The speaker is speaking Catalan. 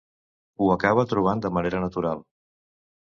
Ho acaba trobant de manera natural.